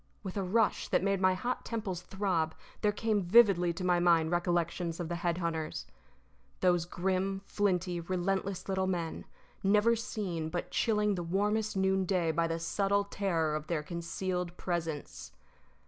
With a rush that made my hot temples throb there came vividly to my mind recollections of the head hunters _those grim, flinty, relentless little men, never seen, but chilling the warmest noonday by the subtle terror of their concealed presence